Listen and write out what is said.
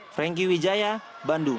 franky wijaya bandung